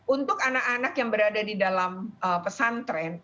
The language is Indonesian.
untuk anak anak yang berada di dalam pesantren